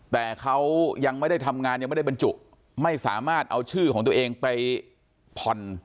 แต่เขายังไม่ได้ทำงานยังไม่ได้บรรจุไม่สามารถเอาชื่อของตัวเองไปผ่อน